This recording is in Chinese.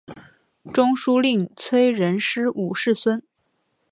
中书令崔仁师五世孙。